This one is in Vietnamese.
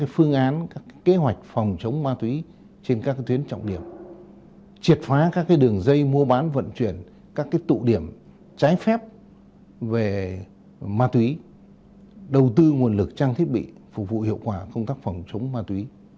phương án các kế hoạch phòng chống ma túy trên các tuyến trọng điểm triệt phá các đường dây mua bán vận chuyển các tụ điểm trái phép về ma túy đầu tư nguồn lực trang thiết bị phục vụ hiệu quả công tác phòng chống ma túy